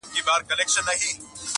• زې منمه ته صاحب د کُل اختیار یې,